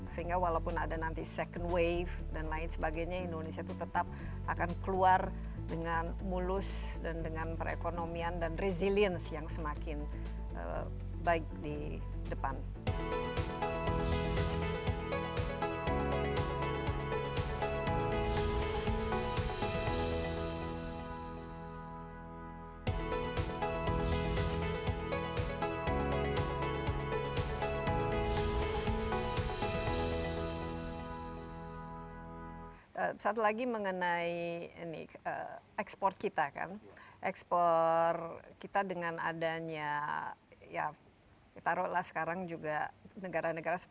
sehingga walaupun ada nanti second wave dan lain sebagainya indonesia itu tetap akan keluar dengan mulus dan dengan perekonomian dan resilience yang semakin baik di depan